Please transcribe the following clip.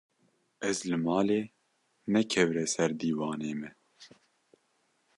ez li malê ne kevirê ser dîwanê me